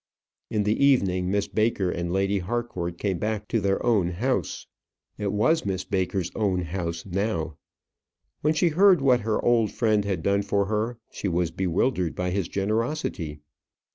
In the evening, Miss Baker and Lady Harcourt came back to their own house. It was Miss Baker's own house now. When she heard what her old friend had done for her, she was bewildered by his generosity.